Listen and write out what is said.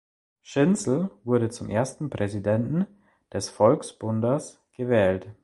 Schinzel wurde zum ersten Präsidenten des Volksbundes gewählt.